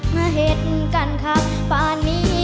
มาเห็นกันครับป่านนี้